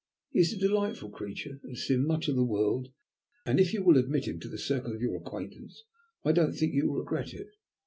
He is a delightful creature; has seen much of the world, and if you will admit him to the circle of your acquaintance, I don't think you will regret it.